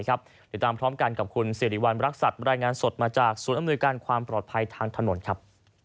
ติดตามพร้อมกันกับคุณสิริวัณรักษัตริย์รายงานสดมาจากศูนย์อำนวยการความปลอดภัยทางถนนครับ